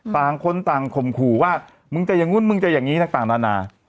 ต่างคนต่างคภูว์ว่ามึงจะอย่างนี้มึงอย่างนี้ต่างทางนา